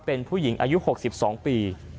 เป็นผู้หญิงอายุ๖๒ปี